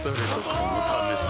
このためさ